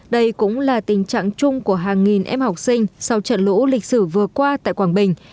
đây cũng là tình trạng chung của hàng nghìn em học sinh sau trận lũ lịch sử vừa qua tại quảng bình